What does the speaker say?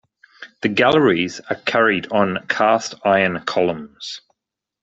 The galleries are carried on cast iron columns.